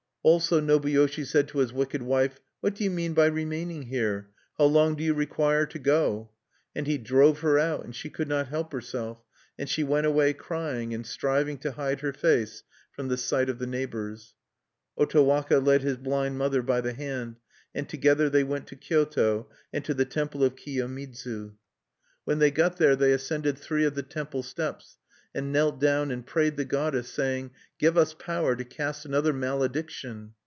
Also Nobuyoshi said to his wicked wife: "What do you mean by remaining here? How long do you require to go?" And he drove her out, and she could not help herself, and she went away crying, and striving to hide her face from the sight of the neighbors. Otowaka led his blind mother by the hand; and together they went to Kyoto and to the temple of Kiyomidzu. When they got there they ascended three of the temple steps, and knelt down, and prayed the goddess, saying: "Give us power to cast another malediction!"